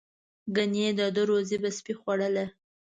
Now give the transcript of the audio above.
ګنې د ده روزي به سپي خوړله.